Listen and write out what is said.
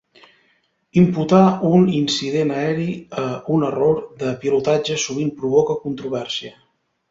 Imputar un incident aeri a un error de pilotatge sovint provoca controvèrsia.